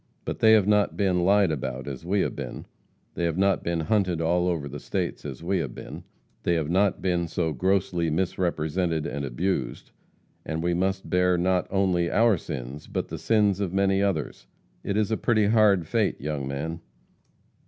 But they have not been lied about as we have been; they have not been hunted all over the states as we have been; they have not been so grossly misrepresented and abused, and we must bear not only our sins, but the sins of many others. It is a pretty hard fate, young man.'